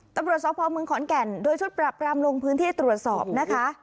ตำรวจสพเมืองขอนแก่นโดยชุดปราบรามลงพื้นที่ตรวจสอบนะคะ